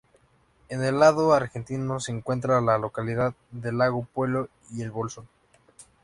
En el lado argentino se encuentra la localidad de Lago Puelo y El Bolsón.